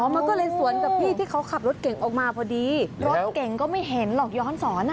มันก็เลยสวนกับพี่ที่เขาขับรถเก่งออกมาพอดีรถเก่งก็ไม่เห็นหรอกย้อนสอนอ่ะ